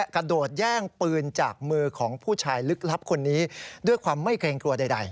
กระโดดแย่งปืนจากมือของผู้ชายลึกลับคนนี้ด้วยความไม่เกรงกลัวใด